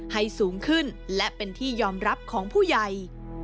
ให้สูงขึ้นและเป็นที่ยอมรับของผู้ใหญ่